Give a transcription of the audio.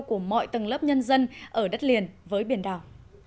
của mọi tầng lớp nhân dân ở đất liền với biển đảo